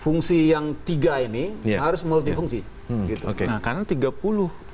fungsi yang tiga ini harus multifungsi